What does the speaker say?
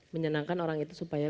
menyenangkan orang itu supaya